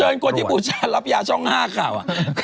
ยุตเชิญคนญี่ปุ่นชาติรับยาช่อง๕ข่าว